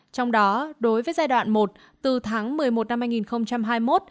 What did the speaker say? trong đó đối với giai đoạn một từ tháng một mươi một năm hai nghìn hai mươi một